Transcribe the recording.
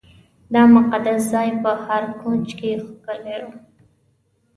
دا مقدس ځای په هر کونج کې ښکلی و.